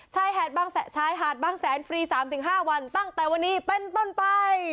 ใช้ฮาดบางแสนฟรี๓๕วันตั้งแต่วันนี้เป็นต้นไป